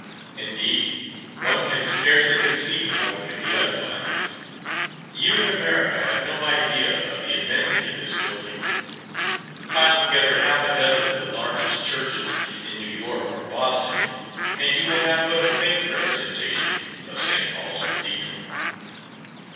Indeed, one can scarcely conceive how it could be otherwise. You in America have no idea of the immensity of this building. Pile together half a dozen of the largest churches in New York or Boston, and you will have but a faint representation of St. Paul's Cathedral.